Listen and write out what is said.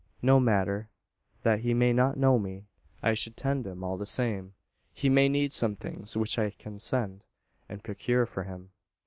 "No matter, that he may not know me. I should tend him all the same. He may need some things which I can send, and procure for him."